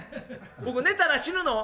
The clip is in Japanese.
僕寝たら死ぬの？」。